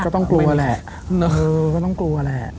ก็ต้องกลัวแหละเออก็ต้องกลัวแหละ